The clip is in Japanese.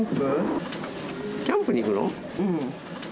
うん。